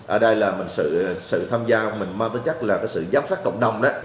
ở đây là sự tham gia mình mang tới chắc là sự giám sát cộng đồng